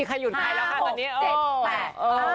อ้าว